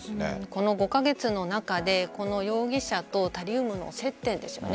この５カ月の中でこの容疑者とタリウムの接点ですよね。